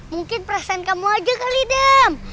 mungkin perasaan kamu aja kali dem